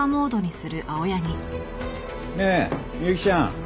ねえ美幸ちゃん。